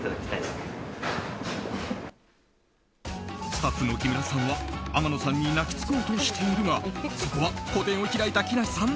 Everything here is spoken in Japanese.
スタッフの木村さんは天野さんに泣きつこうとしているがそこは個展を開いた木梨さん